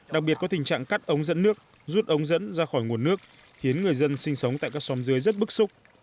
đặc biệt có tình trạng cắt ống dẫn nước rút ống dẫn ra khỏi nguồn nước khiến người dân sinh sống tại các xóm dưới rất bức xúc